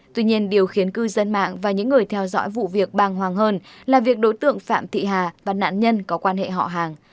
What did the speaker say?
tuy nhiên điều khiến cư dân mạng và những người theo dõi vụ việc bàng hoàng hơn là việc đối tượng phạm thị hà và nạn nhân có quan hệ họ hàng